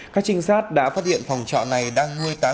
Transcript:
các trinh sát đã phát hiện phòng trọ này đang nuôi tán